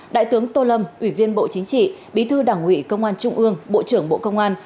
đại tướng tô lâm ủy viên bộ chính trị bí thư đảng ủy công an trung ương bộ trưởng bộ công an